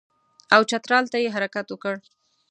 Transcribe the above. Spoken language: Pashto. او چترال ته یې حرکت وکړ.